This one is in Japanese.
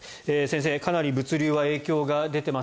先生、かなり物流は影響が出ています。